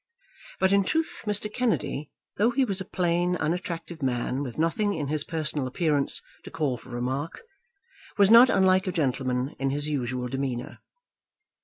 But in truth Mr. Kennedy, though he was a plain, unattractive man, with nothing in his personal appearance to call for remark, was not unlike a gentleman in his usual demeanour.